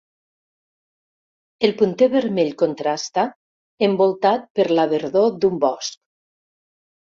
El punter vermell contrasta, envoltat per la verdor d'un bosc.